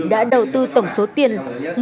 đã đầu tư tổng số tiền